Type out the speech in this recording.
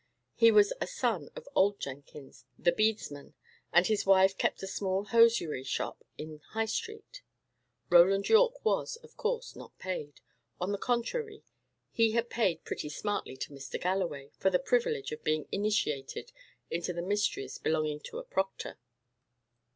He was a son of old Jenkins, the bedesman, and his wife kept a small hosiery shop in High Street. Roland Yorke was, of course, not paid; on the contrary, he had paid pretty smartly to Mr. Galloway for the privilege of being initiated into the mysteries belonging to a proctor.